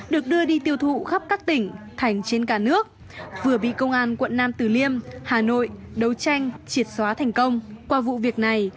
được đưa đi tiêu thụ khắp các tỉnh thành trên cả nước vừa bị công an quận nam tử liêm hà nội đấu tranh triệt xóa thành công qua vụ việc này